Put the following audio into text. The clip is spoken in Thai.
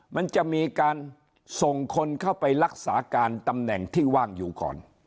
มันจะมีการส่งคนเข้าไปรักษาการตำแหน่งที่ว่างอยู่ก่อน